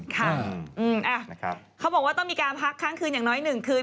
เขาบอกว่าต้องมีการพักค้างคืนอย่างน้อย๑คืน